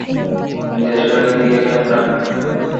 নিজের শরীরের দিকে খেয়াল রাখবি।